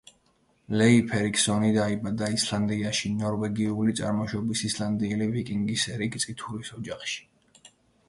ლეიფ ერიქსონი დაიბადა ისლანდიაში, ნორვეგიული წარმოშობის ისლანდიელი ვიკინგის ერიკ წითურის ოჯახში.